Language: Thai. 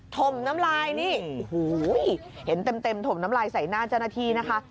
ถมน้ำลายนี่โอ้โหเห็นเต็มถมน้ำลายใส่หน้าเจ้าหน้าที่นะคะ